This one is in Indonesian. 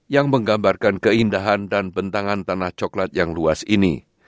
yang menggambarkan keindahan dan bentangan tanah coklat yang luas ini